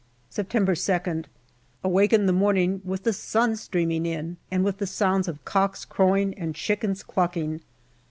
September 2nd. Awake in the morning with the sun streaming in and with the sounds of cocks crowing and chickens clucking.